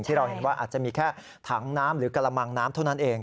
ที่เราเห็นว่าอาจจะมีแค่ถังน้ำหรือกระมังน้ำเท่านั้นเอง